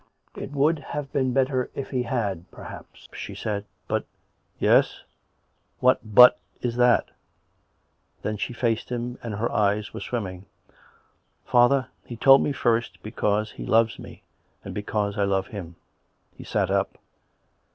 " It would have been better if he had, perhaps," she said. " But "" Yes? What ' But ' is that.? " Then she faced him, and her eyes were swimming. COME RACK! COME ROPE! 73 " Father^ he told me first because he loves me, and be cause I love him." He sat up.